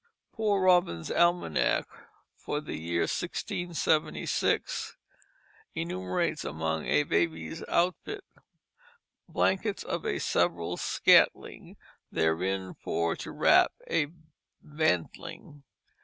Poor Robin's Almanack for the year 1676 enumerates among a baby's outfit: "Blanckets of a several scantling Therein for to wrap a bantling."